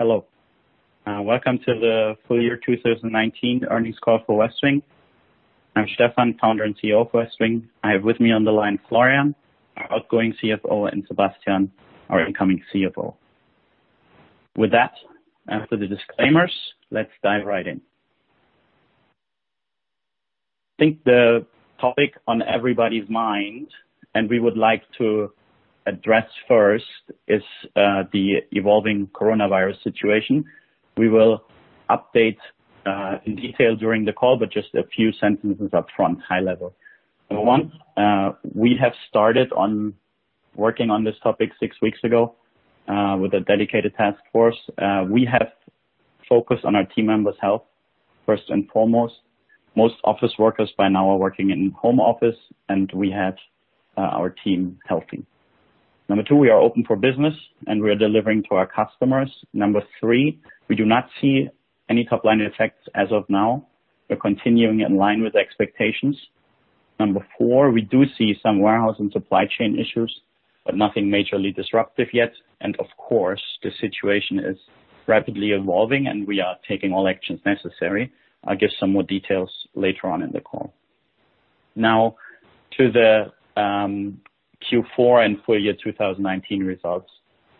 Hello, welcome to the Full Year 2019 Earnings Call for Westwing. I'm Stefan, founder and CEO of Westwing. I have with me on the line Florian, our outgoing CFO, and Sebastian, our incoming CFO. With that, after the disclaimers, let's dive right in. I think the topic on everybody's mind, and we would like to address first is the evolving coronavirus situation. We will update in detail during the call, but just a few sentences up front, high level. Number one, we have started on working on this topic six weeks ago, with a dedicated task force. We have focused on our team members' health, first and foremost. Most office workers by now are working in home office, and we have our team healthy. Number two, we are open for business and we are delivering to our customers. Number three, we do not see any top-line effects as of now. We're continuing in line with expectations. Number four, we do see some warehouse and supply chain issues, but nothing majorly disruptive yet. Of course, the situation is rapidly evolving and we are taking all actions necessary. I'll give some more details later on in the call. Now to the Q4 and full year 2019 results.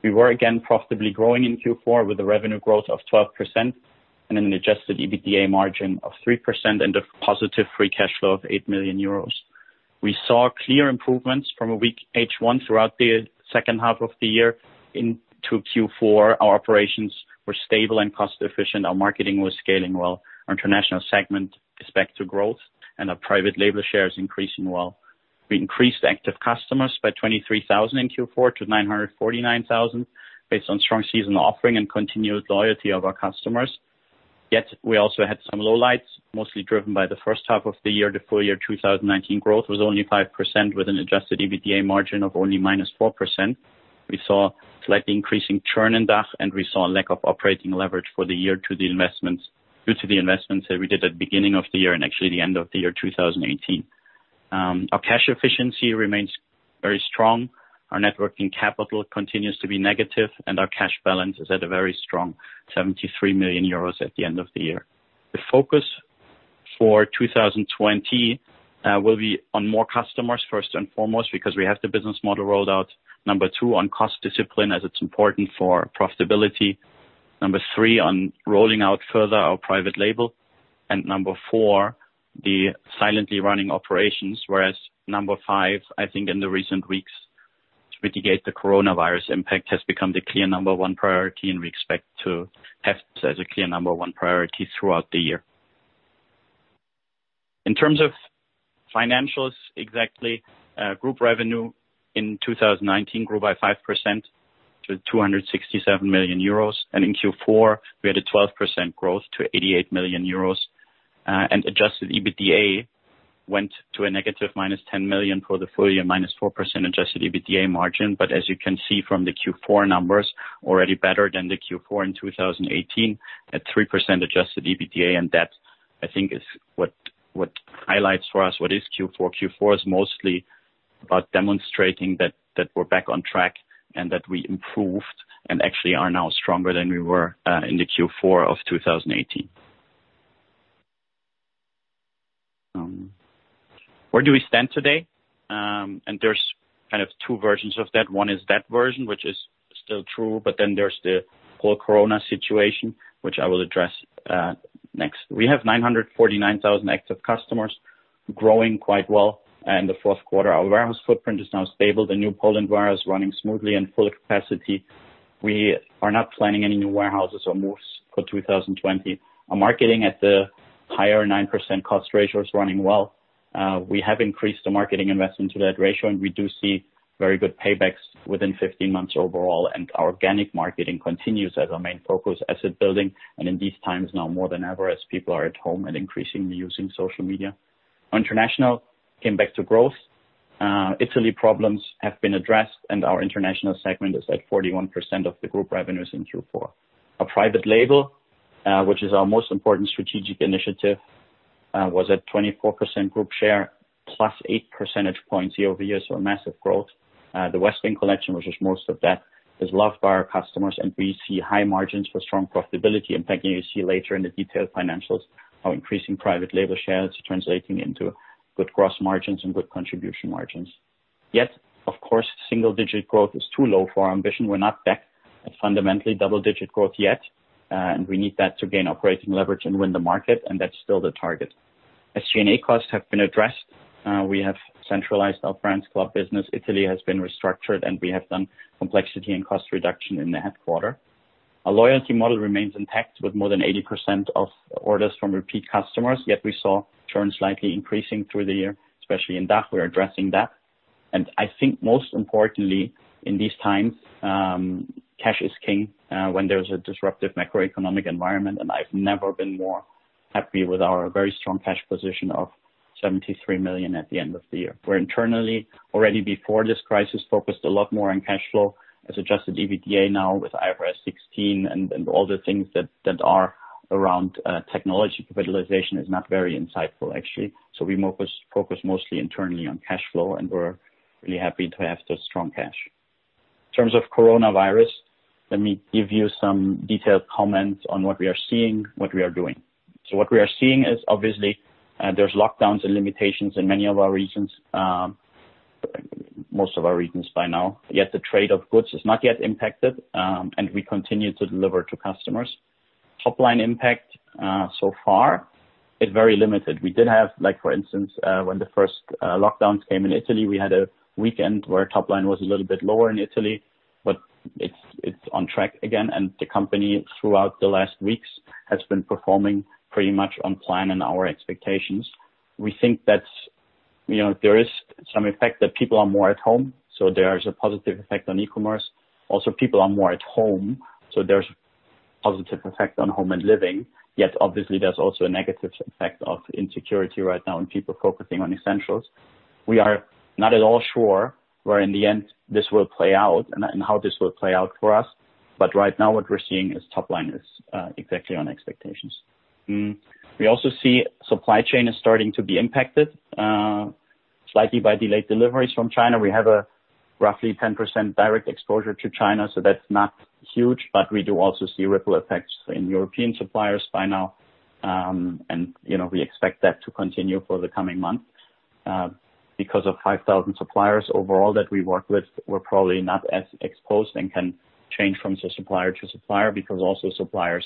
We were again profitably growing in Q4 with a revenue growth of 12% and an adjusted EBITDA margin of 3% and a positive free cash flow of 8 million euros. We saw clear improvements from a weak H1 throughout the second half of the year into Q4. Our operations were stable and cost efficient. Our marketing was scaling well. Our international segment is back to growth, and our private label share is increasing well. We increased active customers by 23,000 in Q4 to 949,000 based on strong seasonal offering and continued loyalty of our customers. Yet we also had some lowlights, mostly driven by the first half of the year. The full year 2019 growth was only 5% with an adjusted EBITDA margin of only -4%. We saw slightly increasing churn in DACH, and we saw a lack of operating leverage for the year due to the investments that we did at the beginning of the year and actually the end of the year 2018. Our cash efficiency remains very strong. Our net working capital continues to be negative, and our cash balance is at a very strong 73 million euros at the end of the year. The focus for 2020 will be on more customers first and foremost because we have the business model rolled out. Number two, on cost discipline as it's important for profitability. Number three, on rolling out further our private label. Number four, the silently running operations. Number five, I think in the recent weeks, to mitigate the coronavirus impact has become the clear number one priority, and we expect to have that as a clear number one priority throughout the year. In terms of financials, exactly, group revenue in 2019 grew by 5% to 267 million euros. In Q4, we had a 12% growth to 88 million euros. Adjusted EBITDA went to a negative -10 million for the full year, -4% adjusted EBITDA margin. As you can see from the Q4 numbers, already better than the Q4 in 2018 at 3% adjusted EBITDA and that. I think is what highlights for us what is Q4. Q4 is mostly about demonstrating that we're back on track and that we improved and actually are now stronger than we were, in the Q4 of 2018. Where do we stand today? There's two versions of that. One is that version, which is still true, but then there's the whole corona situation, which I will address next. We have 949,000 active customers growing quite well in the fourth quarter. Our warehouse footprint is now stable. The new Poland warehouse is running smoothly in full capacity. We are not planning any new warehouses or moves for 2020. Our marketing at the higher 9% cost ratio is running well. We have increased the marketing investment to that ratio, and we do see very good paybacks within 15 months overall. Our organic marketing continues as our main focus asset building, and in these times now more than ever as people are at home and increasingly using social media. Our international came back to growth. Italy problems have been addressed and our international segment is at 41% of the group revenues in Q4. Our private label, which is our most important strategic initiative, was at 24% group share +8 percentage points year-over-year, so a massive growth. The Westwing Collection, which is most of that, is loved by our customers and we see high margins for strong profitability. In fact, you'll see later in the detailed financials how increasing private label shares are translating into good gross margins and good contribution margins. Of course, single-digit growth is too low for our ambition. We're not back at fundamentally double-digit growth yet. We need that to gain operating leverage and win the market, and that's still the target. SG&A costs have been addressed. We have centralized our Friends Club business. Italy has been restructured, and we have done complexity and cost reduction in the headquarter. Our loyalty model remains intact with more than 80% of orders from repeat customers, yet we saw churn slightly increasing through the year, especially in DACH. We're addressing that. I think most importantly, in these times, cash is king, when there's a disruptive macroeconomic environment, and I've never been more happy with our very strong cash position of 73 million at the end of the year. We're internally, already before this crisis, focused a lot more on cash flow as adjusted EBITDA now with IFRS 16 and all the things that are around technology capitalization is not very insightful actually. We focused mostly internally on cash flow, and we're really happy to have the strong cash. In terms of coronavirus, let me give you some detailed comments on what we are seeing, what we are doing. What we are seeing is, obviously, there's lockdowns and limitations in many of our regions, most of our regions by now. Yet the trade of goods is not yet impacted, and we continue to deliver to customers. Topline impact so far is very limited. We did have, for instance, when the first lockdowns came in Italy, we had a weekend where top line was a little bit lower in Italy, but it's on track again. The company, throughout the last weeks, has been performing pretty much on plan and our expectations. We think that there is some effect that people are more at home, so there is a positive effect on e-commerce. People are more at home, so there's a positive effect on home and living. Obviously, there's also a negative effect of insecurity right now and people focusing on essentials. We are not at all sure where, in the end, this will play out and how this will play out for us. Right now, what we're seeing is top line is exactly on expectations. We also see supply chain is starting to be impacted, slightly by delayed deliveries from China. We have a roughly 10% direct exposure to China, so that's not huge, but we do also see ripple effects in European suppliers by now. We expect that to continue for the coming month. Because of 5,000 suppliers overall that we work with, we're probably not as exposed and can change from supplier to supplier because also suppliers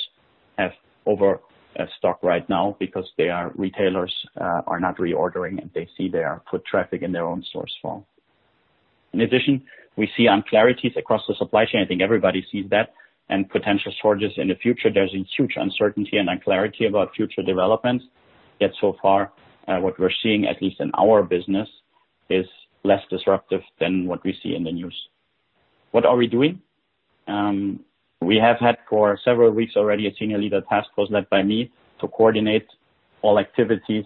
have overstock right now because their retailers are not reordering, and they see their foot traffic in their own stores fall. In addition, we see unclarities across the supply chain. I think everybody sees that, and potential shortages in the future. There is a huge uncertainty and unclarity about future developments. So far, what we are seeing, at least in our business, is less disruptive than what we see in the news. What are we doing? We have had for several weeks already, a senior leader task force led by me to coordinate all activities.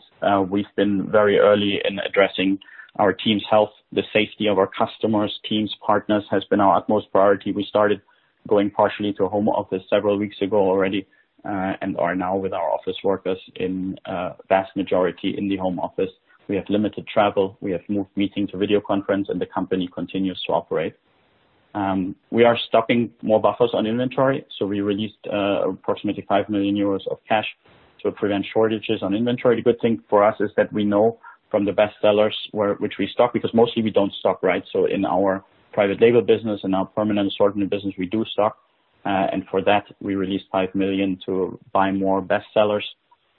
We have been very early in addressing our team's health, the safety of our customers, teams, partners, has been our utmost priority. We started going partially to home office several weeks ago already, and are now with our office workers in vast majority in the home office. We have limited travel. We have moved meetings to video conference, and the company continues to operate. We are stocking more buffers on inventory. We released approximately 5 million euros of cash to prevent shortages on inventory. The good thing for us is that we know from the bestsellers which we stock, because mostly we don't stock, right? In our private label business and our permanent assortment business, we do stock. For that, we released 5 million to buy more bestsellers.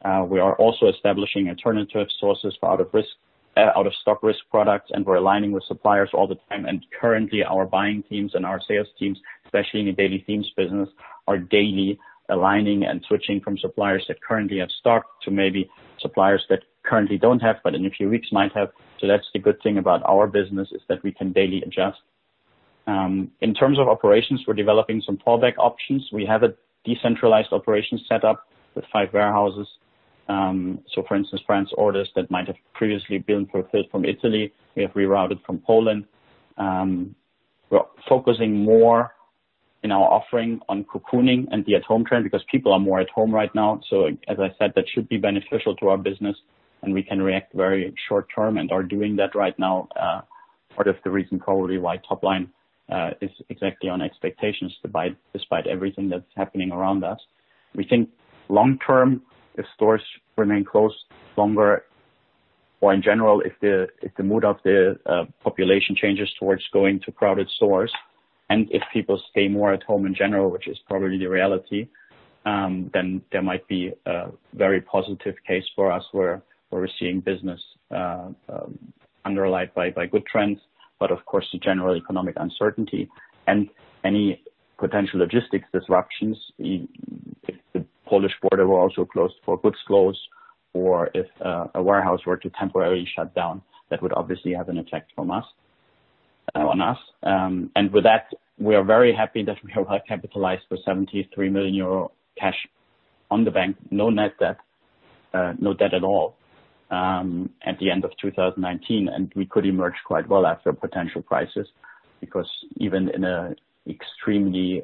We are also establishing alternative sources for out of stock risk products, and we're aligning with suppliers all the time. Currently, our buying teams and our sales teams, especially in the Daily Themes business, are daily aligning and switching from suppliers that currently have stock to maybe suppliers that currently don't have, but in a few weeks might have. That's the good thing about our business is that we can daily adjust. In terms of operations, we're developing some fallback options. We have a decentralized operation set up with five warehouses. For instance, France orders that might have previously been fulfilled from Italy, we have rerouted from Poland. We're focusing more in our offering on cocooning and the at home trend because people are more at home right now. As I said, that should be beneficial to our business and we can react very short term and are doing that right now. Part of the reason probably why top line is exactly on expectations despite everything that's happening around us. We think long term, if stores remain closed longer, or in general, if the mood of the population changes towards going to crowded stores and if people stay more at home in general, which is probably the reality, then there might be a very positive case for us where we're seeing business underlined by good trends. Of course, the general economic uncertainty and any potential logistics disruptions, if the Polish border were also closed for goods flows, or if a warehouse were to temporarily shut down, that would obviously have an effect on us. With that, we are very happy that we have capitalized for 73 million euro cash on the bank, no net debt, no debt at all, at the end of 2019. We could emerge quite well after potential crisis, because even in an extremely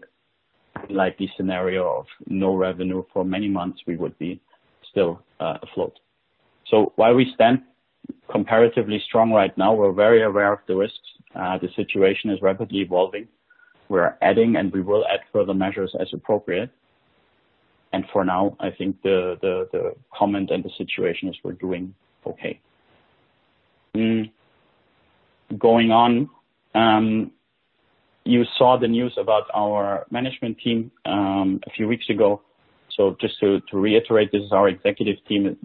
likely scenario of no revenue for many months, we would be still afloat. While we stand comparatively strong right now, we're very aware of the risks. The situation is rapidly evolving. We're adding and we will add further measures as appropriate. For now, I think the comment and the situation is we're doing okay. Going on. You saw the news about our management team, a few weeks ago. Just to reiterate, this is our executive team.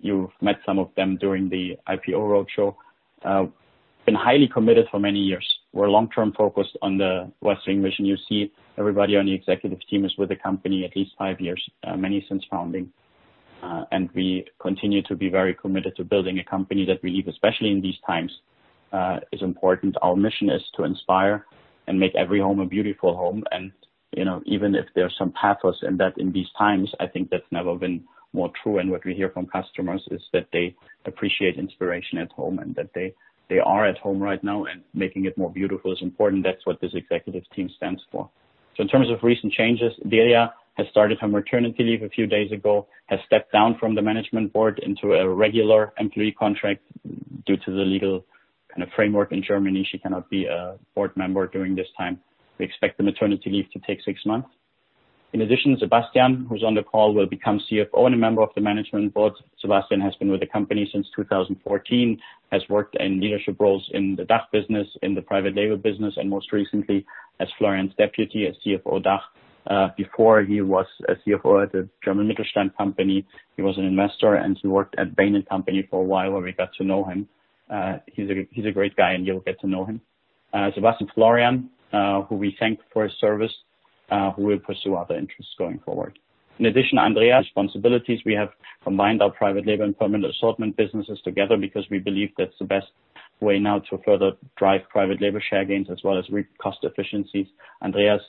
You've met some of them during the IPO road show. Been highly committed for many years. We're long-term focused on the Westwing mission. You see everybody on the executive team is with the company at least five years, many since founding. We continue to be very committed to building a company that we believe, especially in these times, is important. Our mission is to inspire and make every home a beautiful home. Even if there's some pathos in that in these times, I think that's never been more true. What we hear from customers is that they appreciate inspiration at home, and that they are at home right now, and making it more beautiful is important. That's what this executive team stands for. In terms of recent changes, Delia has started her maternity leave a few days ago, has stepped down from the management board into a regular employee contract. Due to the legal framework in Germany, she cannot be a board member during this time. We expect the maternity leave to take six months. In addition, Sebastian, who's on the call, will become CFO and a member of the management board. Sebastian has been with the company since 2014, has worked in leadership roles in the DACH business, in the private label business, and most recently as Florian's deputy as CFO DACH. Before he was a CFO at a German Mittelstand company. He was an investor, and he worked at Bain & Company for a while, where we got to know him. He's a great guy, and you'll get to know him. Sebastian. Florian, who we thank for his service, who will pursue other interests going forward. In addition, Andreas, responsibilities, we have combined our private label and permanent assortment businesses together because we believe that's the best way now to further drive private label share gains as well as reap cost efficiencies. Andreas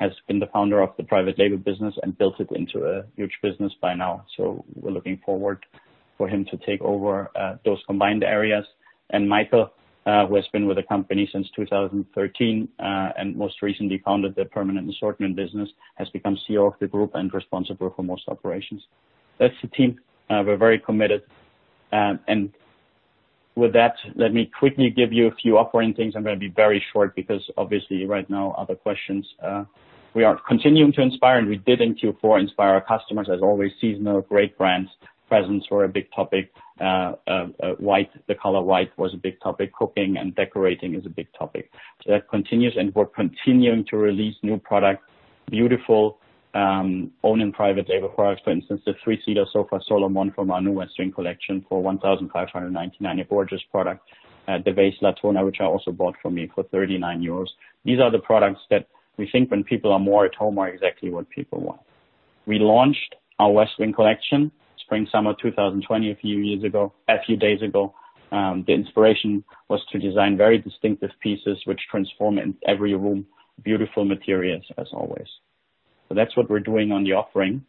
has been the founder of the private label business and built it into a huge business by now. We're looking forward for him to take over those combined areas. Michael, who has been with the company since 2013, and most recently founded the permanent assortment business, has become CEO of the group and responsible for most operations. That's the team. We're very committed. With that, let me quickly give you a few operating things. I'm going to be very short because obviously right now, other questions. We are continuing to inspire, and we did in Q4 inspire our customers. As always, seasonal great brands. Presents were a big topic. The color white was a big topic. Cooking and decorating is a big topic. That continues, and we're continuing to release new product, beautiful own and private label products. For instance, the three-seater sofa, Solomon, from our new Westwing Collection for 1,599, a gorgeous product. The vase, Latona, which I also bought for me for 39 euros. These are the products that we think when people are more at home are exactly what people want. We launched our Westwing Collection, spring/summer 2020, a few days ago. The inspiration was to design very distinctive pieces which transform in every room. Beautiful materials, as always. That's what we're doing on the offering.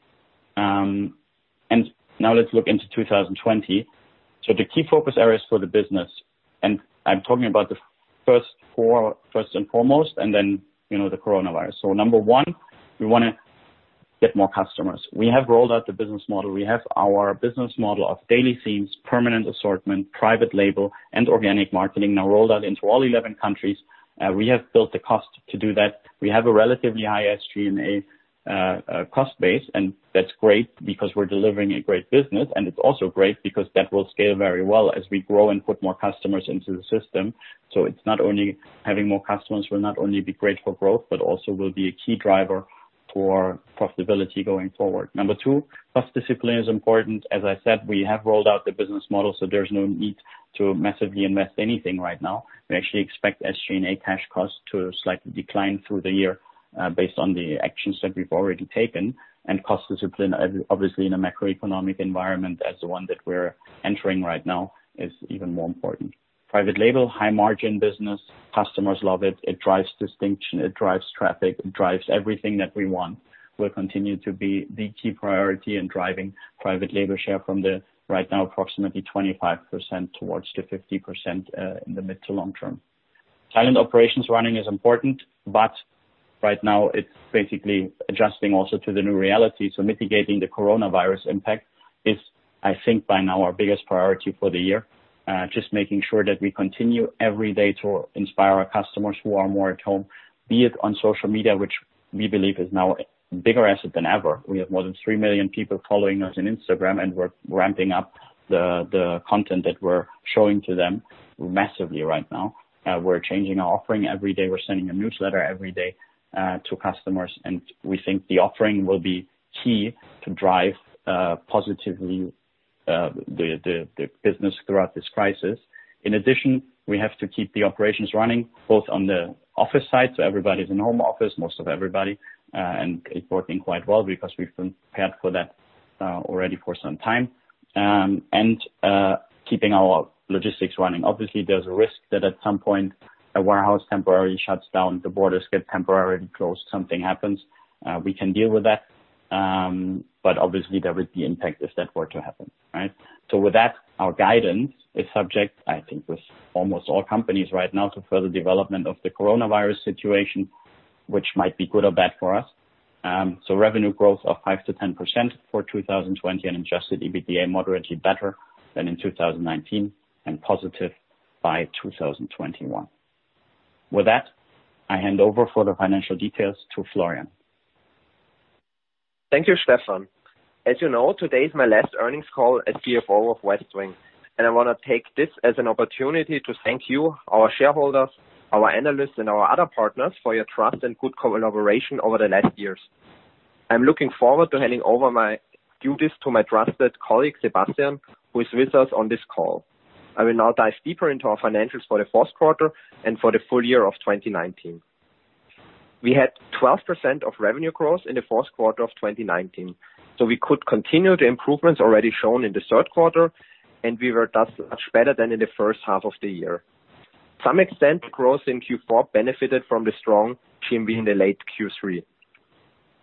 Now let's look into 2020. The key focus areas for the business, I'm talking about the first four first and foremost, then the coronavirus. Number one, we want to get more customers. We have rolled out the business model. We have our business model of Daily Themes, permanent assortment, private label, and organic marketing now rolled out into all 11 countries. We have built the cost to do that. We have a relatively high SG&A cost base, that's great because we're delivering a great business, it's also great because that will scale very well as we grow and put more customers into the system. Having more customers will not only be great for growth, but also will be a key driver for profitability going forward. Number two, cost discipline is important. As I said, we have rolled out the business model, so there's no need to massively invest anything right now. We actually expect SG&A cash costs to slightly decline through the year, based on the actions that we've already taken, and cost discipline, obviously, in a macroeconomic environment as the one that we're entering right now is even more important. Private label, high margin business. Customers love it. It drives distinction, it drives traffic, it drives everything that we want, will continue to be the key priority in driving private label share from the, right now, approximately 25% towards the 50% in the mid to long term. Talent operations running is important, but right now it's basically adjusting also to the new reality. Mitigating the coronavirus impact is, I think, by now our biggest priority for the year. Just making sure that we continue every day to inspire our customers who are more at home, be it on social media, which we believe is now a bigger asset than ever. We have more than 3 million people following us on Instagram. We're ramping up the content that we're showing to them massively right now. We're changing our offering every day. We're sending a newsletter every day to customers. We think the offering will be key to drive positively the business throughout this crisis. In addition, we have to keep the operations running both on the office side, so everybody's in home office, most of everybody, and it's working quite well because we've been prepared for that already for some time. Keeping our logistics running. Obviously, there's a risk that at some point a warehouse temporarily shuts down, the borders get temporarily closed, something happens. We can deal with that. Obviously, there would be impact if that were to happen. Right? With that, our guidance is subject, I think, with almost all companies right now, to further development of the coronavirus situation, which might be good or bad for us. Revenue growth of 5%-10% for 2020 and adjusted EBITDA moderately better than in 2019 and positive by 2021. With that, I hand over for the financial details to Florian. Thank you, Stefan. As you know, today is my last earnings call as CFO of Westwing. I want to take this as an opportunity to thank you, our shareholders, our analysts, and our other partners for your trust and good collaboration over the last years. I'm looking forward to handing over my duties to my trusted colleague, Sebastian, who is with us on this call. I will now dive deeper into our financials for the fourth quarter and for the full year of 2019. We had 12% of revenue growth in the fourth quarter of 2019. We could continue the improvements already shown in the third quarter. We were thus much better than in the first half of the year. To some extent, growth in Q4 benefited from the strong GMV in the late Q3.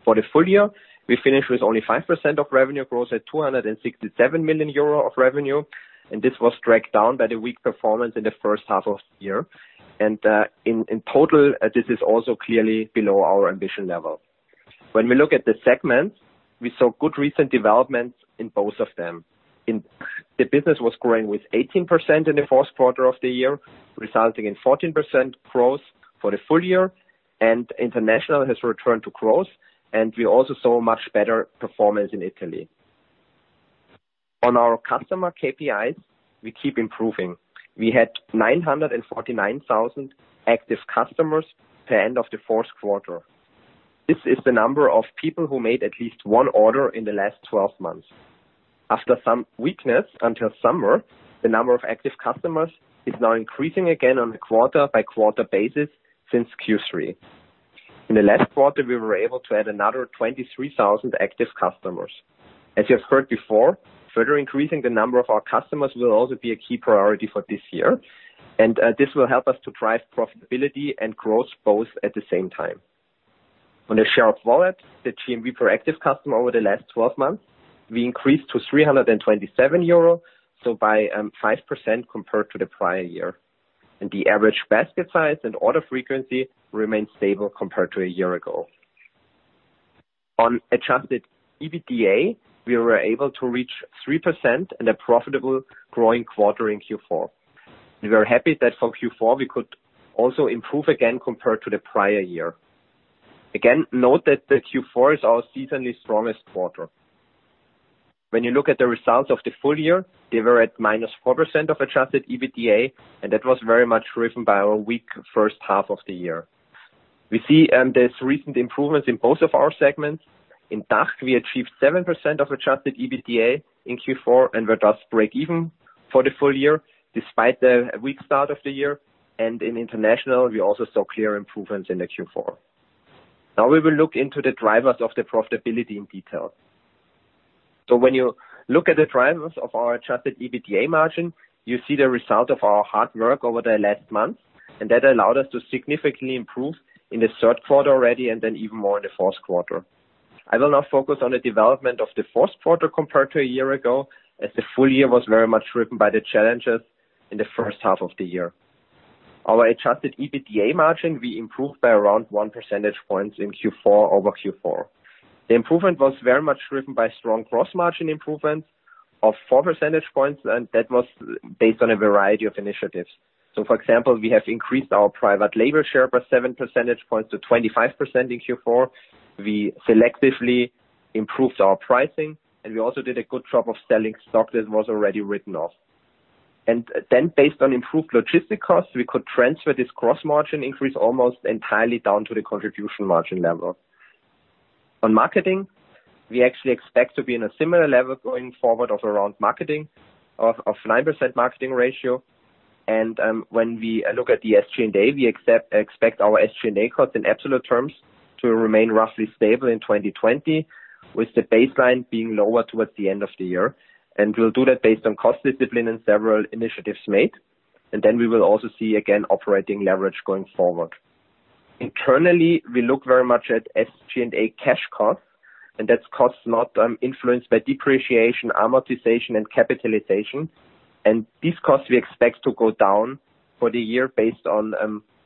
For the full year, we finished with only 5% of revenue growth at 267 million euro of revenue. This was dragged down by the weak performance in the first half of the year. In total, this is also clearly below our ambition level. When we look at the segments, we saw good recent developments in both of them. In the business was growing with 18% in the fourth quarter of the year, resulting in 14% growth for the full year. International has returned to growth, we also saw much better performance in Italy. On our customer KPIs, we keep improving. We had 949,000 active customers at the end of the fourth quarter. This is the number of people who made at least one order in the last 12 months. After some weakness until summer, the number of active customers is now increasing again on a quarter-by-quarter basis since Q3. In the last quarter, we were able to add another 23,000 active customers. As you have heard before, further increasing the number of our customers will also be a key priority for this year, and this will help us to drive profitability and growth both at the same time. On the share of wallet, the GMV per active customer over the last 12 months, we increased to 327 euro, so by 5% compared to the prior year. The average basket size and order frequency remained stable compared to a year ago. On adjusted EBITDA, we were able to reach 3% and a profitable growing quarter in Q4. We are happy that for Q4, we could also improve again compared to the prior year. Again, note that the Q4 is our seasonally strongest quarter. When you look at the results of the full year, they were at -4% of adjusted EBITDA, and that was very much driven by our weak first half of the year. We see there's recent improvements in both of our segments. In DACH, we achieved 7% of adjusted EBITDA in Q4 and were thus break even for the full year, despite the weak start of the year. In international, we also saw clear improvements in the Q4. Now we will look into the drivers of the profitability in detail. When you look at the drivers of our adjusted EBITDA margin, you see the result of our hard work over the last month, and that allowed us to significantly improve in the third quarter already and then even more in the fourth quarter. I will now focus on the development of the fourth quarter compared to a year ago, as the full year was very much driven by the challenges in the first half of the year. We improved our adjusted EBITDA margin by around 1 percentage point in Q4 over Q4. The improvement was very much driven by strong gross margin improvements of 4 percentage points, that was based on a variety of initiatives. For example, we have increased our private label share by 7 percentage points to 25% in Q4. We selectively improved our pricing, and we also did a good job of selling stock that was already written off. Based on improved logistics costs, we could transfer this gross margin increase almost entirely down to the contribution margin level. On marketing, we actually expect to be in a similar level going forward of around marketing of 9% marketing ratio. When we look at the SG&A, we expect our SG&A costs in absolute terms to remain roughly stable in 2020, with the baseline being lower towards the end of the year. We'll do that based on cost discipline and several initiatives made. Then we will also see again operating leverage going forward. Internally, we look very much at SG&A cash costs, and that's costs not influenced by depreciation, amortization, and capitalization. These costs we expect to go down for the year based on,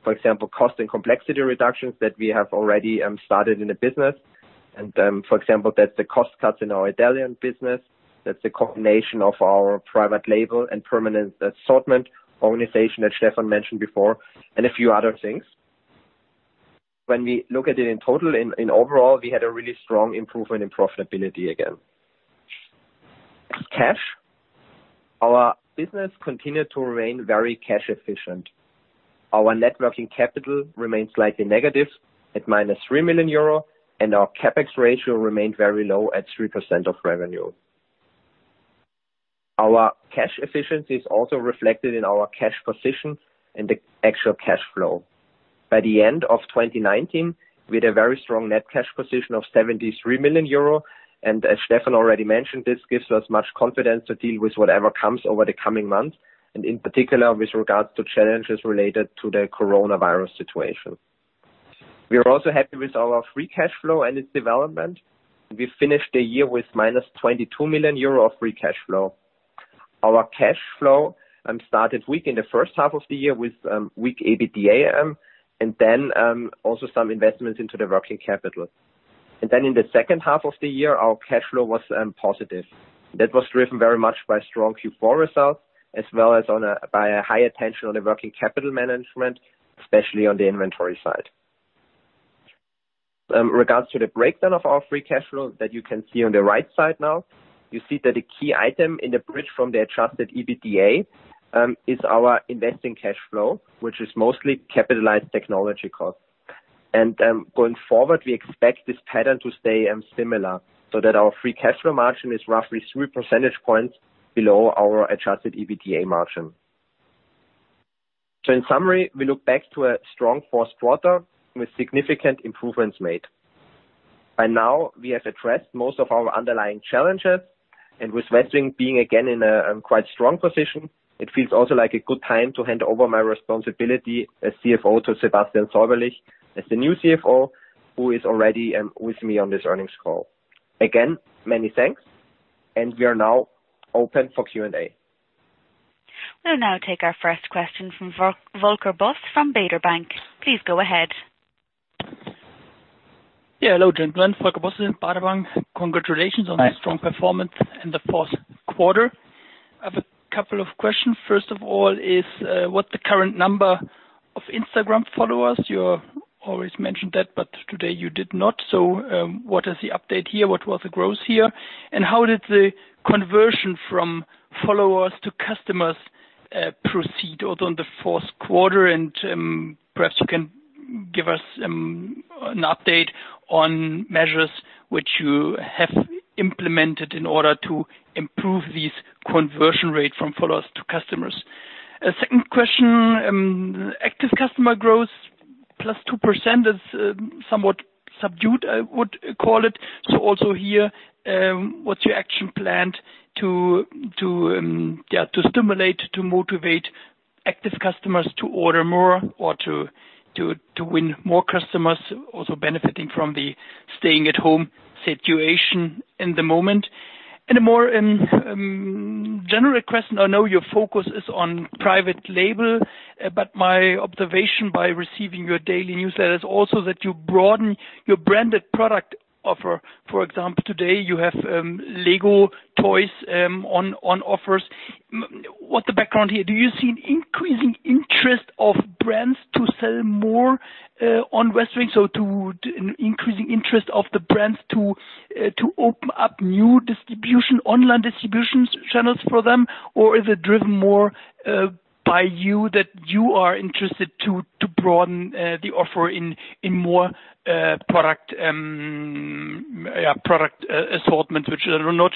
for example, cost and complexity reductions that we have already started in the business. For example, that's the cost cuts in our Italian business. That's the combination of our private label and permanent assortment organization that Stefan mentioned before and a few other things. When we look at it in total, in overall, we had a really strong improvement in profitability again. Cash. Our business continued to remain very cash efficient. Our net working capital remained slightly negative at -3 million euro, and our CapEx ratio remained very low at 3% of revenue. Our cash efficiency is also reflected in our cash position and the actual cash flow. By the end of 2019, we had a very strong net cash position of 73 million euro. As Stefan already mentioned, this gives us much confidence to deal with whatever comes over the coming months, and in particular, with regards to challenges related to the coronavirus situation. We are also happy with our free cash flow and its development. We finished the year with -22 million euro of free cash flow. Our cash flow started weak in the first half of the year with weak EBITDA and then also some investments into the working capital. In the second half of the year, our cash flow was positive. That was driven very much by strong Q4 results, as well as by a high attention on the working capital management, especially on the inventory side. In regards to the breakdown of our free cash flow that you can see on the right side now, you see that a key item in the bridge from the adjusted EBITDA is our investing cash flow, which is mostly capitalized technology costs. Going forward, we expect this pattern to stay similar so that our free cash flow margin is roughly 3 percentage points below our adjusted EBITDA margin. In summary, we look back to a strong fourth quarter with significant improvements made. We have addressed most of our underlying challenges, and with Westwing being again in a quite strong position, it feels also like a good time to hand over my responsibility as CFO to Sebastian Säuberlich as the new CFO, who is already with me on this earnings call. Many thanks, and we are now open for Q&A. We'll now take our first question from Volker Bosse from Baader Bank. Please go ahead. Yeah. Hello, gentlemen. Volker Bosse, Baader Bank. Congratulations on the strong performance in the fourth quarter. I have a couple of questions. First of all is, what the current number of Instagram followers? You always mention that, but today you did not. What is the update here? What was the growth here? How did the conversion from followers to customers proceed out on the fourth quarter? Perhaps you can give us an update on measures which you have implemented in order to improve these conversion rate from followers to customers. A second question, active customer growth +2% is somewhat subdued, I would call it. Also here, what's your action plan to stimulate, to motivate active customers to order more or to win more customers, also benefiting from the staying-at-home situation in the moment? A more general question. I know your focus is on private label, but my observation by receiving your daily newsletter is also that you broaden your branded product offer. For example, today, you have Lego toys on offers. What's the background here? Do you see an increasing interest of brands to sell more on Westwing? To increasing interest of the brands to open up new online distributions channels for them, or is it driven more by you, that you are interested to broaden the offer in more product assortment which are not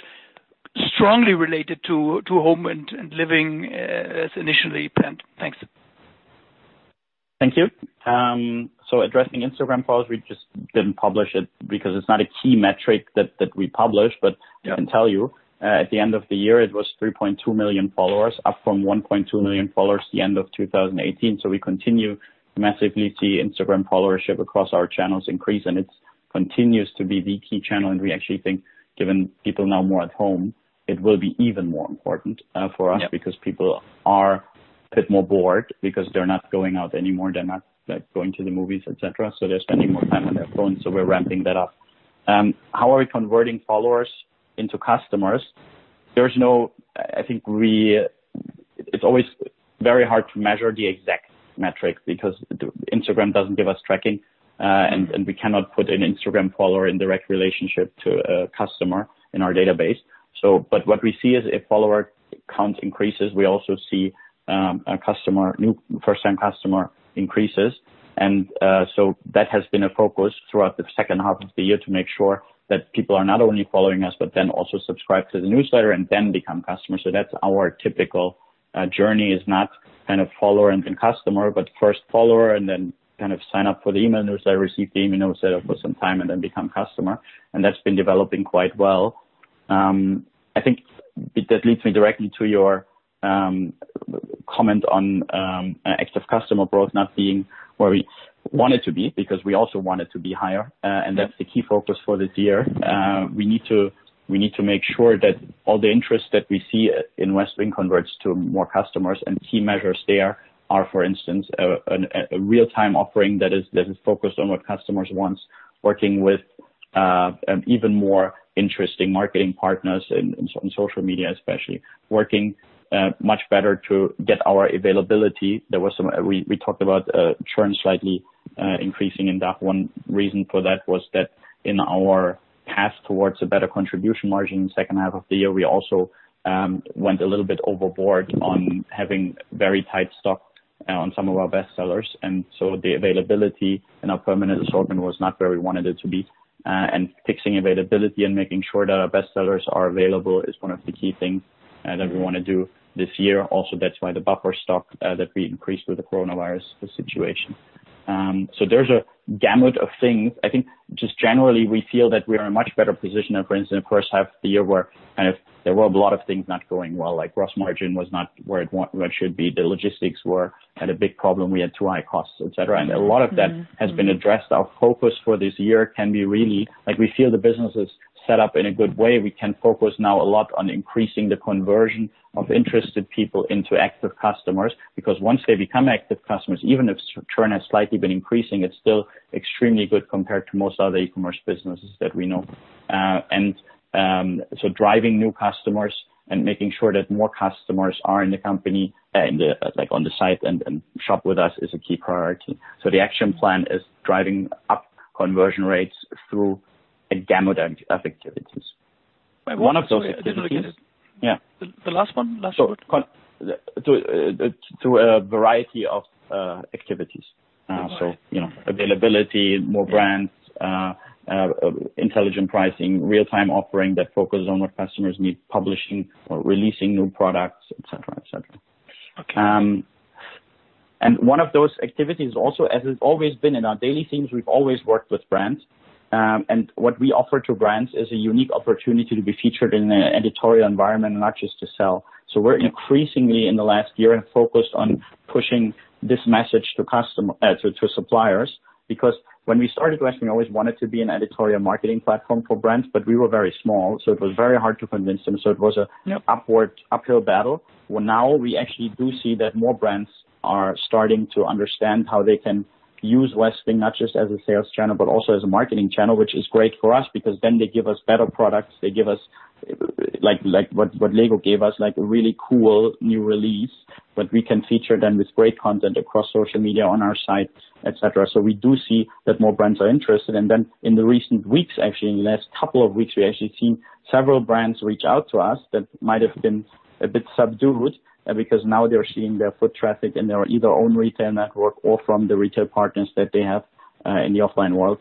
strongly related to home and living as initially planned? Thanks. Thank you. Addressing Instagram followers, we just didn't publish it because it's not a key metric that we publish. I can tell you, at the end of the year, it was 3.2 million followers, up from 1.2 million followers the end of 2018. We continue to massively see Instagram followership across our channels increase, and it continues to be the key channel. We actually think, given people now more at home, it will be even more important for us because people are a bit more bored because they're not going out anymore. They're not going to the movies, et cetera. They're spending more time on their phone. We're ramping that up. How are we converting followers into customers? It's always very hard to measure the exact metric because Instagram doesn't give us tracking, and we cannot put an Instagram follower in direct relationship to a customer in our database. What we see is if follower count increases, we also see new first-time customer increases. That has been a focus throughout the second half of the year to make sure that people are not only following us, but then also subscribe to the newsletter and then become customers. That's our typical journey, is not kind of follower and then customer, but first follower and then sign up for the email newsletter, receive the email newsletter for some time, and then become customer. That's been developing quite well. I think that leads me directly to your comment on active customer growth not being where we want it to be, because we also want it to be higher. That's the key focus for this year. We need to make sure that all the interest that we see in Westwing converts to more customers, and key measures there are, for instance, a real-time offering that is focused on what customers want, working with even more interesting marketing partners in social media especially, working much better to get our availability. We talked about churn slightly increasing, and that one reason for that was that in our path towards a better contribution margin in the second half of the year, we also went a little bit overboard on having very tight stock on some of our best sellers. The availability in our permanent assortment was not where we wanted it to be. Fixing availability and making sure that our best sellers are available is one of the key things that we want to do this year. Also, that's why the buffer stock, that we increased with the coronavirus situation. There's a gamut of things. I think just generally, we feel that we are in a much better position than, for instance, first half of the year, where kind of there were a lot of things not going well, like gross margin was not where it should be. The logistics had a big problem. We had too high costs, et cetera. A lot of that has been addressed. Our focus for this year can be really, like we feel the business is set up in a good way. We can focus now a lot on increasing the conversion of interested people into active customers, because once they become active customers, even if churn has slightly been increasing, it's still extremely good compared to most other e-commerce businesses that we know. Driving new customers and making sure that more customers are in the company, like on the site and shop with us is a key priority. The action plan is driving up conversion rates through a gamut of activities. Sorry, I didn't get it. Yeah. The last one. Last bit. Through a variety of activities. Right. Availability, more brands, intelligent pricing, real-time offering that focuses on what customers need, publishing or releasing new products, et cetera. Okay. One of those activities also, as it's always been in our Daily Themes, we've always worked with brands. What we offer to brands is a unique opportunity to be featured in an editorial environment, not just to sell. We're increasingly, in the last year, focused on pushing this message to suppliers, because when we started Westwing, we always wanted to be an editorial marketing platform for brands, but we were very small, so it was very hard to convince them. Yeah. So it was an, uphill battle. Now we actually do see that more brands are starting to understand how they can use Westwing, not just as a sales channel, but also as a marketing channel, which is great for us because then they give us better products. They give us, like what Lego gave us, a really cool new release that we can feature then with great content across social media on our site, et cetera. We do see that more brands are interested. In the recent weeks, actually in the last couple of weeks, we actually seen several brands reach out to us that might have been a bit subdued, because now they're seeing their foot traffic in their either own retail network or from the retail partners that they have, in the offline world,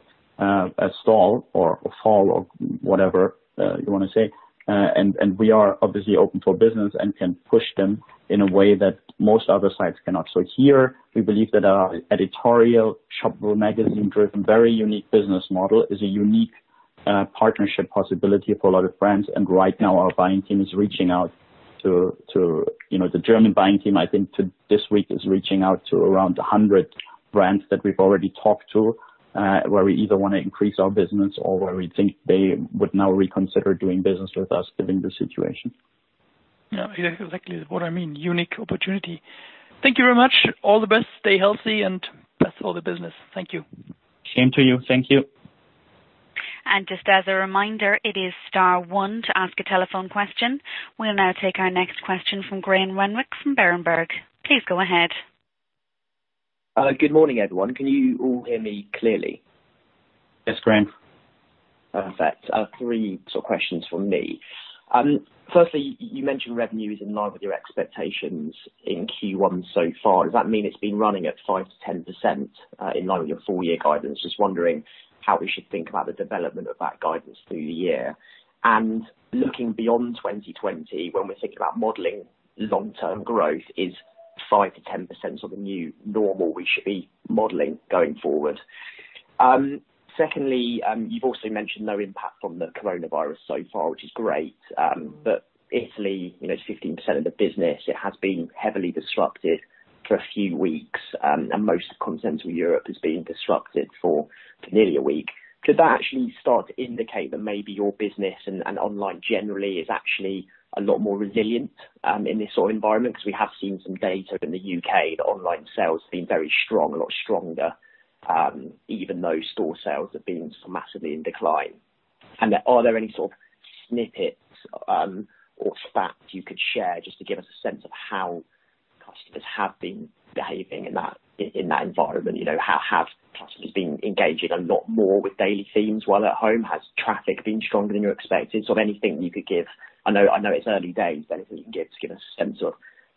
stall or fall or whatever you want to say. We are obviously open for business and can push them in a way that most other sites cannot. Here we believe that our editorial shop, magazine-driven, very unique business model is a unique partnership possibility for a lot of brands. Right now, our buying team is reaching out to the German buying team, I think this week, is reaching out to around 100 brands that we've already talked to, where we either want to increase our business or where we think they would now reconsider doing business with us given the situation. Yeah, exactly what I mean. Unique opportunity. Thank you very much. All the best. Stay healthy and best for the business. Thank you. Same to you. Thank you. Just as a reminder, it is star one to ask a telephone question. We'll now take our next question from Graham Renwick, from Berenberg. Please go ahead. Good morning, everyone. Can you all hear me clearly? Yes, Graham. Perfect. Three sort of questions from me. Firstly, you mentioned revenue is in line with your expectations in Q1 so far. Does that mean it's been running at 5%-10% in line with your full year guidance? Just wondering how we should think about the development of that guidance through the year. Looking beyond 2020, when we're thinking about modeling long-term growth, is 5%-10% sort of new normal we should be modeling going forward? Secondly, you've also mentioned no impact from the coronavirus so far, which is great. Italy, it's 15% of the business. It has been heavily disrupted for a few weeks. Most of continental Europe has been disrupted for nearly a week. Could that actually start to indicate that maybe your business and online generally is actually a lot more resilient, in this sort of environment? We have seen some data in the U.K. that online sales have been very strong, a lot stronger, even though store sales have been sort of massively in decline. Are there any sort of snippets or stats you could share just to give us a sense of how customers have been behaving in that environment? Have customers been engaging a lot more with Daily Themes while at home? Has traffic been stronger than you expected? Sort of anything you could give, I know it's early days, but anything you could give to give a sense of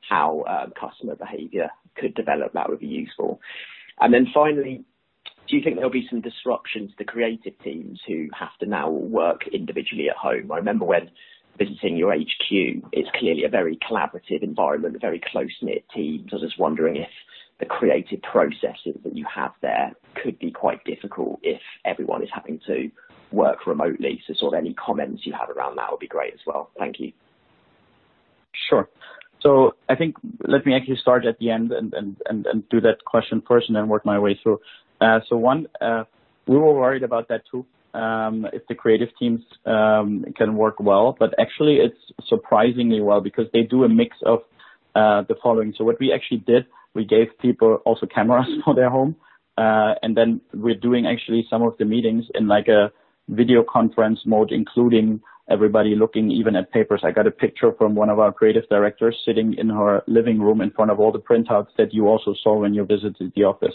how customer behavior could develop, that would be useful. Finally, do you think there'll be some disruption to the creative teams who have to now work individually at home? I remember when visiting your HQ, it's clearly a very collaborative environment, very close-knit teams. I was just wondering if the creative processes that you have there could be quite difficult if everyone is having to work remotely. Sort of any comments you have around that would be great as well. Thank you. Sure. I think, let me actually start at the end and do that question first and then work my way through. One, we were worried about that, too, if the creative teams can work well, but actually it's surprisingly well, because they do a mix of the following. What we actually did, we gave people also cameras for their home. Then we're doing actually some of the meetings in a video conference mode, including everybody looking even at papers. I got a picture from one of our creative directors sitting in her living room in front of all the printouts that you also saw when you visited the office.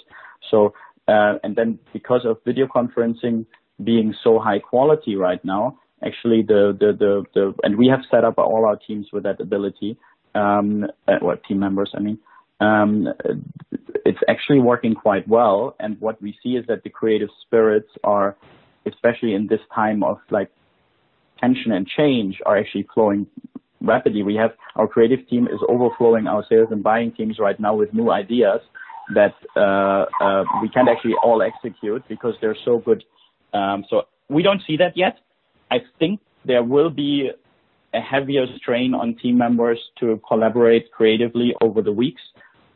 Then because of video conferencing being so high quality right now, actually, and we have set up all our teams with that ability, or team members, I mean. It's actually working quite well. What we see is that the creative spirits are, especially in this time of tension and change, are actually flowing rapidly. Our creative team is overflowing our sales and buying teams right now with new ideas that we can't actually all execute because they're so good. We don't see that yet. I think there will be a heavier strain on team members to collaborate creatively over the weeks,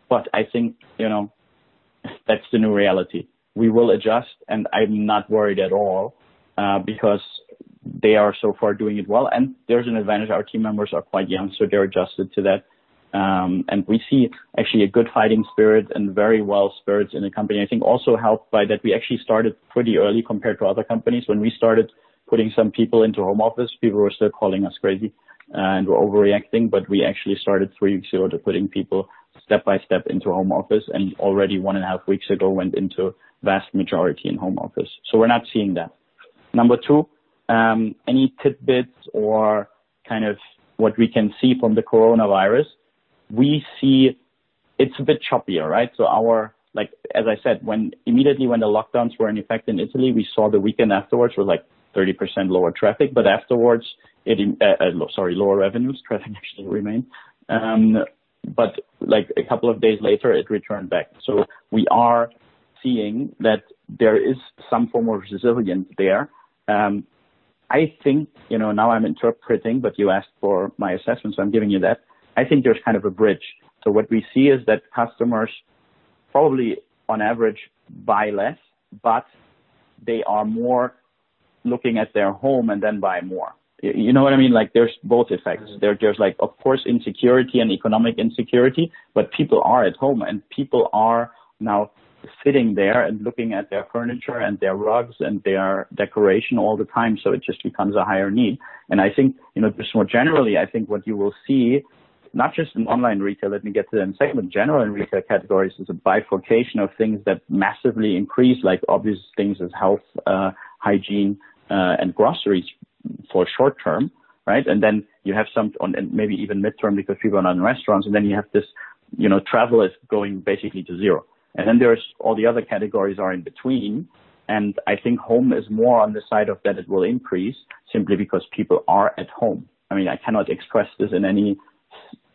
but I think that's the new reality. We will adjust, and I'm not worried at all, because they are so far doing it well. There's an advantage. Our team members are quite young, so they're adjusted to that. We see actually a good fighting spirit and very well spirits in the company, I think also helped by that we actually started pretty early compared to other companies. When we started putting some people into home office, people were still calling us crazy and overreacting, but we actually started three weeks ago to putting people step by step into home office, and already one and a half weeks ago, went into vast majority in home office. We're not seeing that. Number two, any tidbits or kind of what we can see from the coronavirus, we see it's a bit choppier, right? As I said, immediately when the lockdowns were in effect in Italy, we saw the weekend afterwards were like 30% lower traffic, but afterwards, sorry, lower revenues. Traffic actually remained. A couple of days later, it returned back. We are seeing that there is some form of resilience there. I think, now I'm interpreting, but you asked for my assessment, so I'm giving you that. I think there's kind of a bridge. What we see is that customers probably on average buy less, but they are more looking at their home and then buy more. You know what I mean? There's both effects. There's, of course, insecurity and economic insecurity, but people are at home, and people are now sitting there and looking at their furniture and their rugs and their decoration all the time, so it just becomes a higher need. I think, just more generally, I think what you will see, not just in online retail, let me get to that in a second, but general in retail categories, is a bifurcation of things that massively increase, like obvious things as health, hygiene, and groceries for short term, right? Then you have some, maybe even midterm, because people are not in restaurants, and then you have this, travel is going basically to zero. There's all the other categories are in between. I think home is more on the side of that it will increase simply because people are at home. I cannot express this in.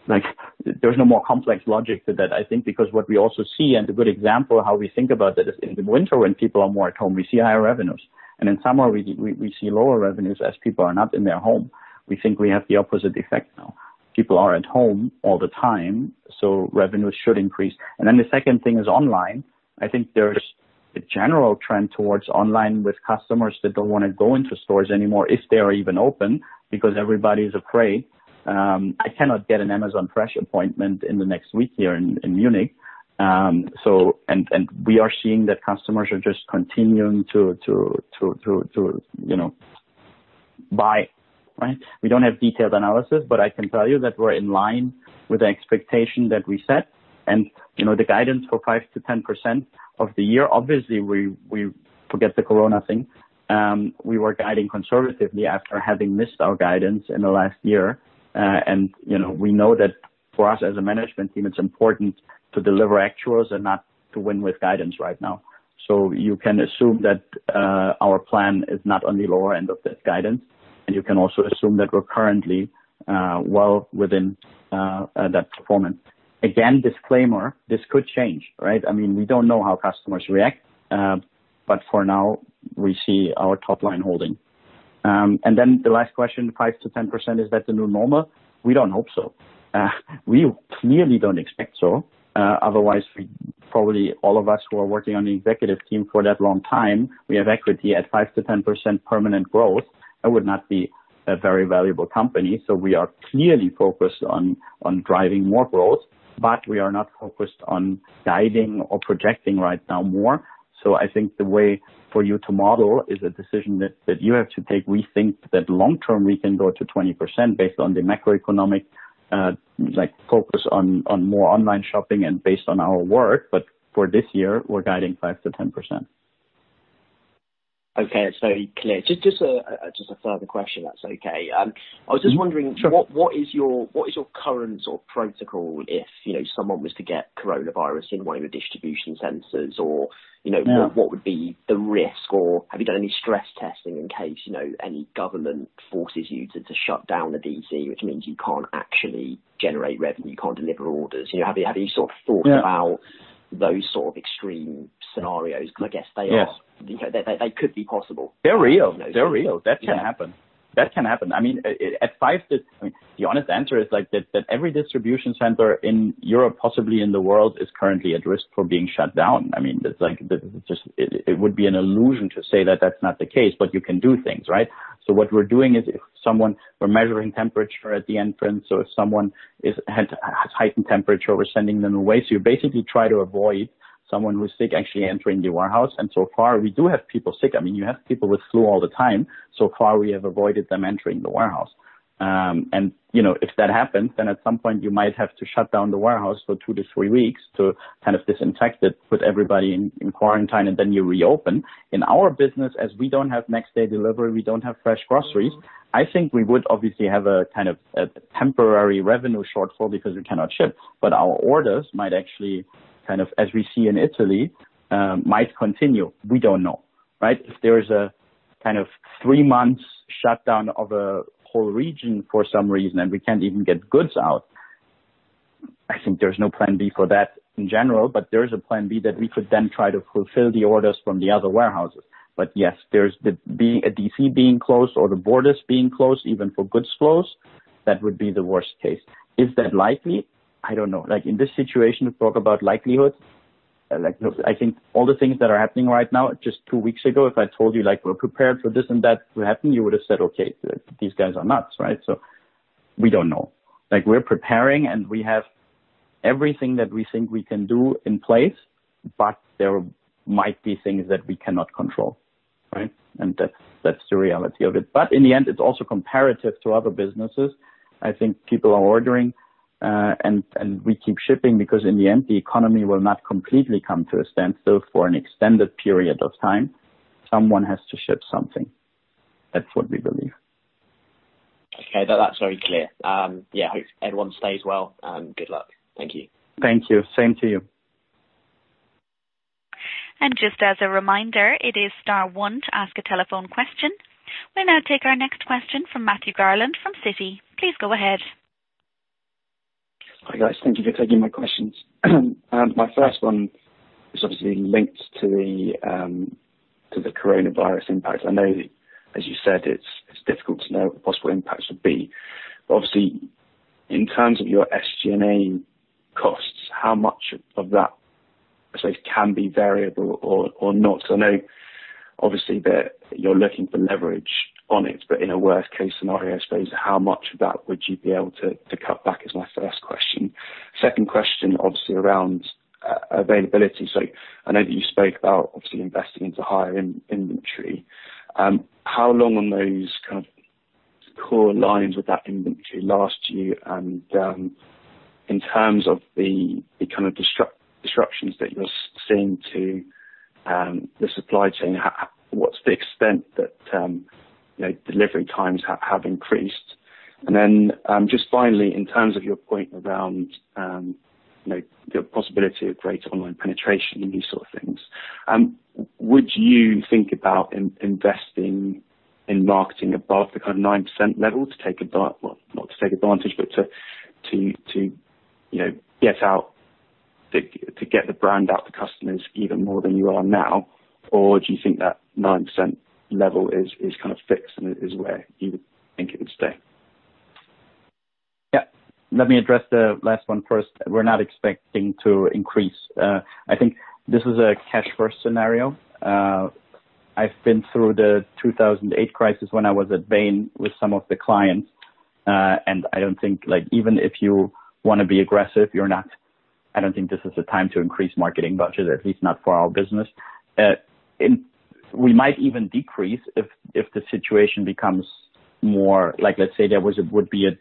There's no more complex logic to that, I think, because what we also see, and a good example of how we think about that is in the winter, when people are more at home, we see higher revenues. In summer, we see lower revenues as people are not in their home. We think we have the opposite effect now. People are at home all the time, revenues should increase. The second thing is online. I think there's a general trend towards online with customers that don't want to go into stores anymore, if they are even open, because everybody is afraid. I cannot get an Amazon Fresh appointment in the next week here in Munich. We are seeing that customers are just continuing to buy, right? We don't have detailed analysis, but I can tell you that we're in line with the expectation that we set and the guidance for 5%-10% of the year. Obviously, we forget the corona thing. We were guiding conservatively after having missed our guidance in the last year. We know that for us as a management team, it's important to deliver actuals and not to win with guidance right now. You can assume that our plan is not on the lower end of that guidance, and you can also assume that we're currently well within that performance. Again, disclaimer, this could change, right? We don't know how customers react. For now, we see our top line holding. The last question, 5%-10%, is that the new normal? We don't hope so. We clearly don't expect so. Otherwise, probably all of us who are working on the executive team for that long time, we have equity at 5%-10% permanent growth, that would not be a very valuable company. We are clearly focused on driving more growth, but we are not focused on guiding or projecting right now more. I think the way for you to model is a decision that you have to take. We think that long term, we can go to 20% based on the macroeconomic, focus on more online shopping and based on our work. For this year, we're guiding 5%-10%. Okay. It's very clear. Just a further question, if that's okay. Sure. I was just wondering, what is your current sort of protocol if someone was to get coronavirus in one of your distribution centers? Yeah. What would be the risk, or have you done any stress testing in case any government forces you to shut down a D.C., which means you can't actually generate revenue, you can't deliver orders? Have you sort of thought - Yeah. - about those sort of extreme scenarios? Yes. They could be possible. They're real. They're real. That can happen. That can happen. The honest answer is that every distribution center in Europe, possibly in the world, is currently at risk for being shut down. It would be an illusion to say that that's not the case. You can do things, right? What we're doing is we're measuring temperature at the entrance, so if someone has heightened temperature, we're sending them away. You basically try to avoid someone who's sick actually entering the warehouse. So far, we do have people sick. You have people with flu all the time. So far, we have avoided them entering the warehouse. If that happens, then at some point you might have to shut down the warehouse for two to three weeks to kind of disinfect it, put everybody in quarantine, and then you reopen. In our business, as we don't have next-day delivery, we don't have Amazon Fresh groceries, I think we would obviously have a kind of temporary revenue shortfall because we cannot ship. Our orders might actually kind of, as we see in Italy, might continue. We don't know, right? If there is a kind of three months shutdown of a whole region for some reason and we can't even get goods out, I think there's no plan B for that in general. There is a plan B that we could then try to fulfill the orders from the other warehouses. Yes, there's a D.C. being closed or the borders being closed, even for goods flows, that would be the worst case. Is that likely? I don't know. In this situation, to talk about likelihood, I think all the things that are happening right now, just two weeks ago, if I told you, "We're prepared for this and that to happen," you would have said, "Okay, these guys are nuts," right? We don't know. We're preparing, and we have everything that we think we can do in place, but there might be things that we cannot control, right? That's the reality of it. In the end, it's also comparative to other businesses. I think people are ordering, and we keep shipping because in the end, the economy will not completely come to a standstill for an extended period of time. Someone has to ship something. That's what we believe. Okay. That's very clear. Yeah, hope everyone stays well, and good luck. Thank you. Thank you. Same to you. Just as a reminder, it is star one to ask a telephone question. We'll now take our next question from Matthew Garland from Citi. Please go ahead. Hi guys. Thank you for taking my questions. My first one is obviously linked to the coronavirus impact. I know that, as you said, it's difficult to know what the possible impacts would be. Obviously, in terms of your SG&A costs, how much of that, I suppose, can be variable or not? I know obviously that you're looking for leverage on it, but in a worst case scenario, I suppose, how much of that would you be able to cut back, is my first question. Second question, obviously, around availability. I know that you spoke about obviously investing into higher inventory. How long on those kind of core lines would that inventory last you? In terms of the kind of disruptions that you're seeing to the supply chain, what's the extent that delivery times have increased? Just finally, in terms of your point around the possibility of greater online penetration and these sort of things, would you think about investing in marketing above the kind of 9% level to take, well, not to take advantage, but to get the brand out to customers even more than you are now? Do you think that 9% level is kind of fixed and is where you would think it would stay? Yeah. Let me address the last one first. We're not expecting to increase. I think this is a cash first scenario. I've been through the 2008 crisis when I was at Bain with some of the clients. I don't think, even if you want to be aggressive, I don't think this is the time to increase marketing budgets, at least not for our business. We might even decrease if the situation becomes more, let's say there would be a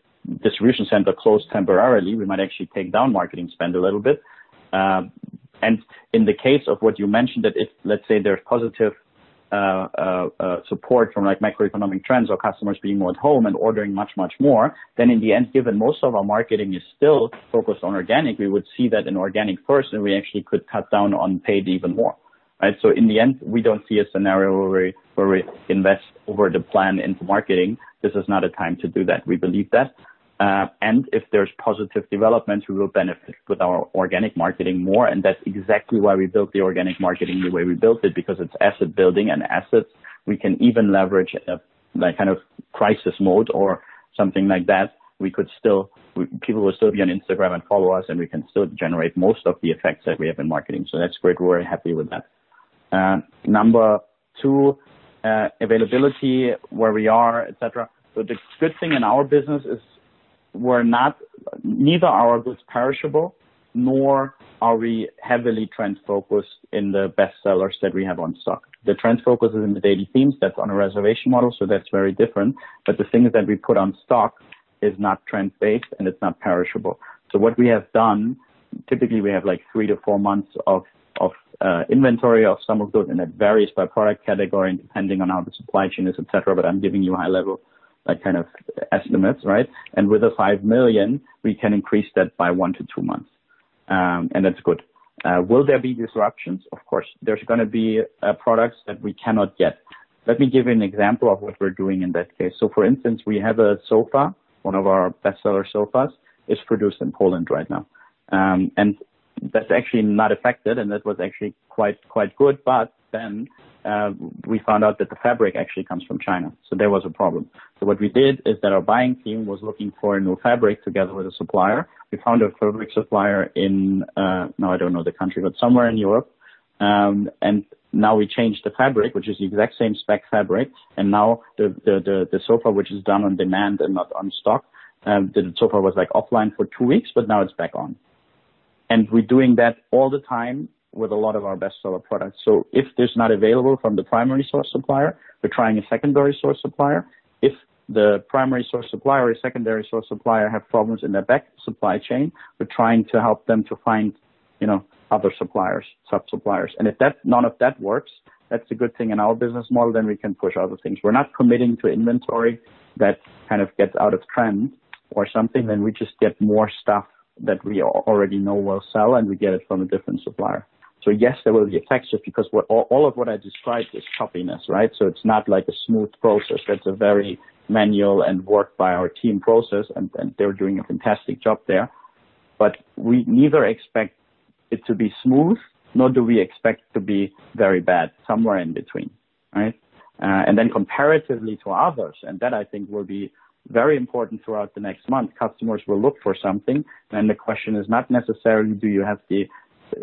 distribution center closed temporarily, we might actually take down marketing spend a little bit. In the case of what you mentioned, that if, let's say, there's positive support from macroeconomic trends or customers being more at home and ordering much, much more, then in the end, given most of our marketing is still focused on organic, we would see that in organic first, and we actually could cut down on paid even more, right? In the end, we don't see a scenario where we invest over the plan into marketing. This is not a time to do that. We believe that. If there's positive development, we will benefit with our organic marketing more, and that's exactly why we built the organic marketing the way we built it, because it's asset building, and assets we can even leverage like crisis mode or something like that. People will still be on Instagram and follow us, we can still generate most of the effects that we have in marketing. That's great. We're very happy with that. Number two, availability, where we are, et cetera. The good thing in our business is neither are our goods perishable, nor are we heavily trend-focused in the bestsellers that we have on stock. The trend focus is in the Daily Themes. That's on a reservation model, that's very different. The things that we put on stock is not trend-based, and it's not perishable. What we have done, typically, we have three-four months of inventory of some of those, it varies by product category and depending on how the supply chain is, et cetera, I'm giving you high level kind of estimates, right? With the 5 million, we can increase that by one-two months. That's good. Will there be disruptions? Of course. There's going to be products that we cannot get. Let me give you an example of what we're doing in that case. For instance, we have a sofa, one of our bestseller sofas, is produced in Poland right now. That's actually not affected, and that was actually quite good. We found out that the fabric actually comes from China. There was a problem. What we did is that our buying team was looking for a new fabric together with the supplier. We found a fabric supplier in, now I don't know the country, but somewhere in Europe. Now we changed the fabric, which is the exact same spec fabric. Now the sofa, which is done on demand and not on stock, the sofa was offline for two weeks, but now it's back on. We're doing that all the time with a lot of our bestseller products. If it's not available from the primary source supplier, we're trying a secondary source supplier. If the primary source supplier or secondary source supplier have problems in their back supply chain, we're trying to help them to find other suppliers, sub-suppliers. If none of that works, that's a good thing in our business model, then we can push other things. We're not committing to inventory that kind of gets out of trend or something. We just get more stuff that we already know will sell, and we get it from a different supplier. Yes, there will be effects just because all of what I described is choppiness, right? It's not like a smooth process. That's a very manual and work by our team process, and they're doing a fantastic job there. We neither expect it to be smooth, nor do we expect to be very bad, somewhere in between, right? Comparatively to others, and that I think will be very important throughout the next month. Customers will look for something, the question is not necessarily do you have the,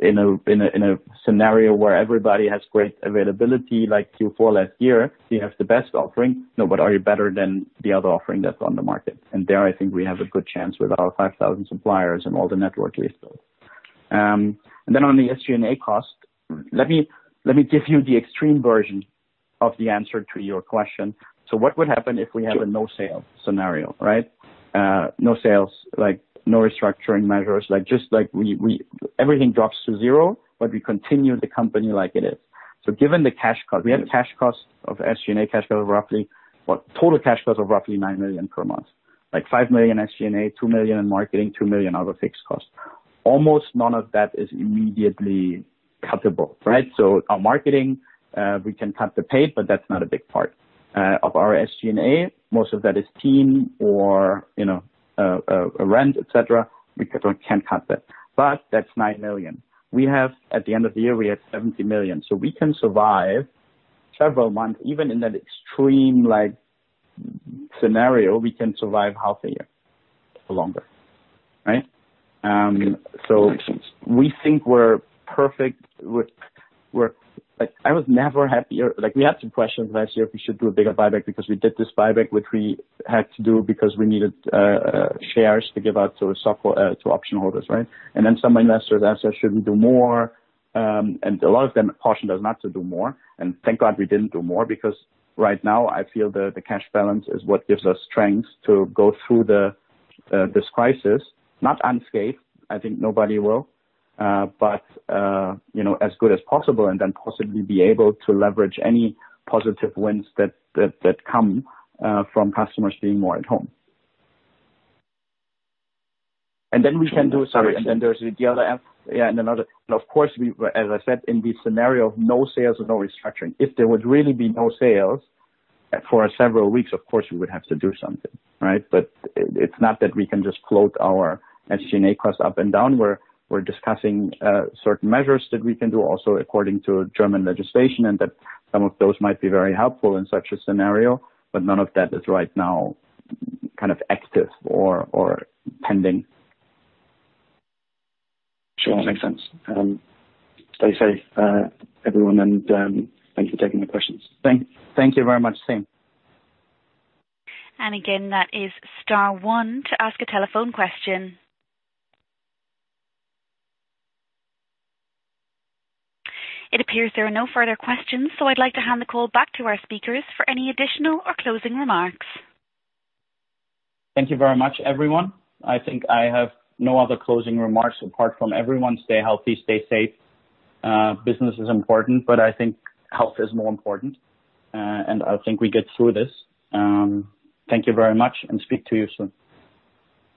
in a scenario where everybody has great availability like Q4 last year, do you have the best offering? No. Are you better than the other offering that's on the market? There, I think we have a good chance with our 5,000 suppliers and all the network we've built. On the SG&A cost, let me give you the extreme version of the answer to your question. What would happen if we have a no-sale scenario, right? No sales, no restructuring measures. Everything drops to zero, but we continue the company like it is. Given the cash cost, we have cash costs of SG&A, cash cost of roughly, what? Total cash cost of roughly 9 million per month. 5 million SG&A, 2 million in marketing, 2 million other fixed costs. Almost none of that is immediately cuttable, right? Our marketing, we can cut the pay, but that's not a big part of our SG&A. Most of that is team or rent, et cetera. We can't cut that. That's 9 million. At the end of the year, we had 70 million, we can survive several months, even in that extreme scenario, we can survive half a year or longer. Right? Makes sense. We think we're perfect. I was never happier. We had some questions last year if we should do a bigger buyback because we did this buyback, which we had to do because we needed shares to give out to option holders, right? Then some investors asked us, "Should we do more?" A lot of them cautioned us not to do more. Thank God we didn't do more because right now I feel the cash balance is what gives us strength to go through this crisis. Not unscathed, I think nobody will. As good as possible and then possibly be able to leverage any positive wins that come from customers being more at home. Sorry, then there's the other half. Yeah, another. Of course, as I said, in the scenario of no sales with no restructuring. If there would really be no sales for several weeks, of course, we would have to do something, right? It's not that we can just float our SG&A costs up and down. We're discussing certain measures that we can do also according to German legislation, and that some of those might be very helpful in such a scenario, but none of that is right now kind of active or pending. Sure. Makes sense. Stay safe, everyone. Thanks for taking the questions. Thank you very much, same. Again, that is star one to ask a telephone question. It appears there are no further questions. I'd like to hand the call back to our speakers for any additional or closing remarks. Thank you very much, everyone. I think I have no other closing remarks apart from everyone stay healthy, stay safe. Business is important, but I think health is more important, and I think we'll get through this. Thank you very much and speak to you soon.